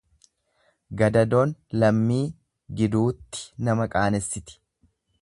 Gadadoon lammii giduutti nama qaanessiti.